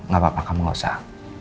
gapapa kamu gak usah